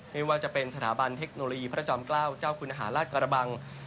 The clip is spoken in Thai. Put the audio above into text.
ไม่ว่าจะเป็นสถาบันเทคโนโลยีพระจอมเกล้าเจ้าคุณอาหารราชกระบัง